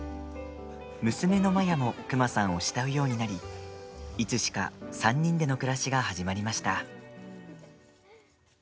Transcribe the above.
娘のマヤもクマさんを慕うようになりいつしか３人での暮らしが始まりました。